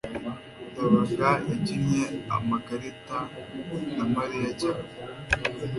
ndabaga yakinnye amakarita na mariya cyane